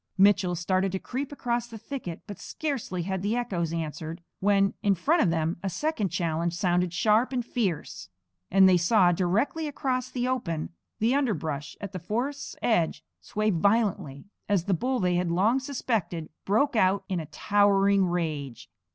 Mitchell started to creep across the thicket, but scarcely had the echoes answered when, in front of them, a second challenge sounded sharp and fierce; and they saw, directly across the open, the underbrush at the forest's edge sway violently, as the bull they had long suspected broke out in a towering rage.